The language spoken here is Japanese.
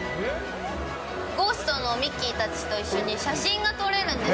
ゴーストのミッキーたちと一緒に写真が撮れるんです。